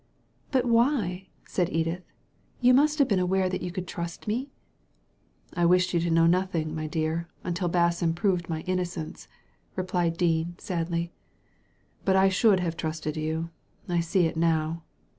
"But why?" said Edith. "You must have been aware that you could trust me." "I wished you to know nothing, my dear, until Basson proved my innocence," replied Dean, sadly. "But I should have trusted you. I see it now.